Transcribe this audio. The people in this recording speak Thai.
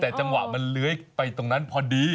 แต่จังหวะมันเลื้อยไปตรงนั้นพอดี